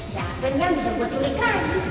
si alvin yang bisa buat tulikan